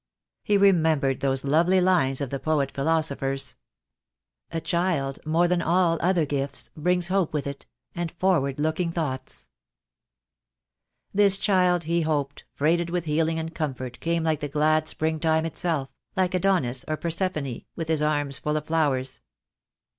He remembered those lovely lines of the poet philosopher's THE DAY WILL COME. 4Q "A child, more than all other gifts, Brings hope with it, and forward looking thoughts." This child came, he hoped, freighted with healing and comfort, came like the glad spring time itself, like Adonis or Persephone, with his arms full of flowers.